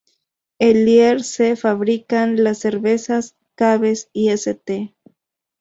En Lier se fabrican las cervezas Caves y St.